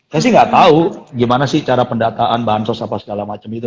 saya sih gak tau gimana sih cara pendataan bahan sos apa segala macem itu